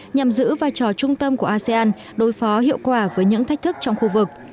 nhằm giữ vai trò trung tâm của asean đối phó hiệu quả với những thách thức trong khu vực